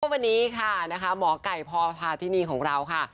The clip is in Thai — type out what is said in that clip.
วันนี้ค่ะนะคะหมอไก่พพาธินีของเราค่ะ